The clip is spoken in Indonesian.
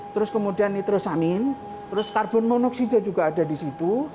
terus kemudian nitrosamin terus karbon monoksida juga ada di situ